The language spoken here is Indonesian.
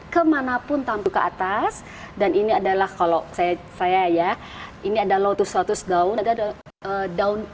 kemanapun tampil ke atas dan ini adalah kalau saya saya ya ini ada lotus lotus daun ada daun